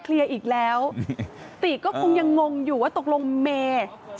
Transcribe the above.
เรียบร้อยค่ะหนูรู้หมดแล้วค่ะถึงหนูให้ข้อมูลได้ขนาดเนี้ย